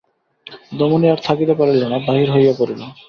দামিনী আর থাকিতে পারিল না, বাহির হইয়া পড়িল।